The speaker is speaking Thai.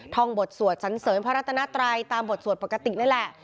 ท่องบทสวดสันเสริญพระรัตนาไตรตามบทสวดปกตินั่นแหละ